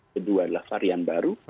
kedua adalah varian baru